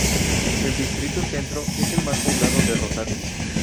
El Distrito Centro es el más poblado de Rosario.